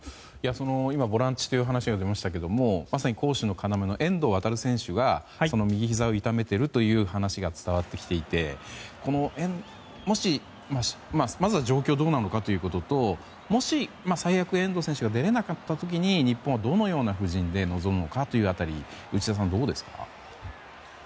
今、ボランチという話が出ましたがまさに攻守の要の遠藤選手が右ひざを痛めているという話が伝わってきていてまずは状況がどうなのかということともし最悪、遠藤選手が出られなかった時に日本はどのような布陣で臨むのかという辺り内田さん、どうですか？